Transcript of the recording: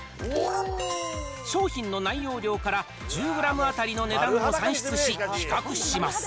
商品の内容量から１０グラム当たりの値段を算出し、比較します。